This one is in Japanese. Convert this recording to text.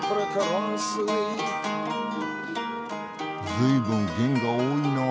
ずいぶん弦が多いなあ。